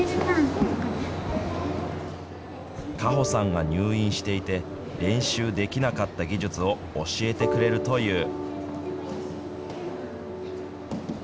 果歩さんが入院していて、練習できなかった技術を教えてくれるという。